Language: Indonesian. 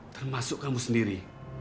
termasuk kamu sendiri